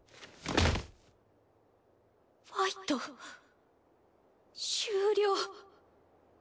ファイト終了。